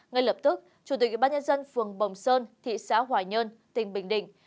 ngay lập tức chủ tịch bác nhân dân phường bồng sơn thị xã hòa nhơn tỉnh bình định